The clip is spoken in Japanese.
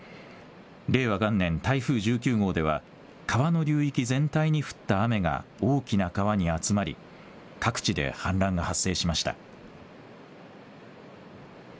令和元年、台風１９号では川の流域全体に降った雨が大きな川に集まり各地で氾濫が発生しました。